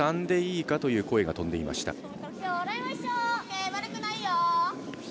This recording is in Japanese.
３でいいかという声が飛んでいました。